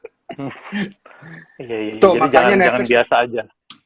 jadi jangan biasa aja